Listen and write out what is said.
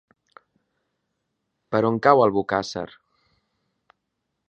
Per on cau Albocàsser?